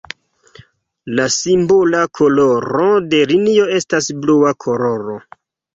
La simbola koloro de linio estas blua koloro.